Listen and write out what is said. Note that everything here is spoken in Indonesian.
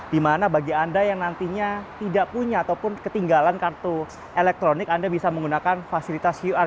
di mana bagi anda yang nantinya tidak punya ataupun ketinggalan kartu elektronik anda bisa menggunakan fasilitas qr